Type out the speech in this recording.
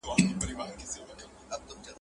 هغه کینه کښ سړی هيڅکله نورو ته بخښنه نه کوي.